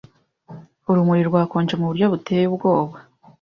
urumuri rwakonje Muburyo buteye ubwoba